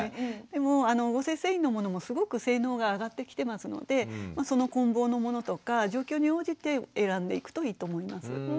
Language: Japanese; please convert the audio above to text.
でも合成繊維のものもすごく性能が上がってきてますのでその混紡のものとか状況に応じて選んでいくといいと思います。